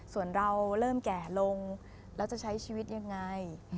ส่วนเราเริ่มแก่ลงแล้วจะใช้ชีวิตยังไง